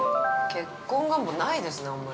◆結婚願望、ないですねあんまり。